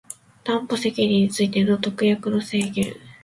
担保責任についての特約の制限